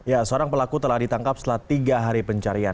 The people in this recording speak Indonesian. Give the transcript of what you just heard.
ya seorang pelaku telah ditangkap setelah tiga hari pencarian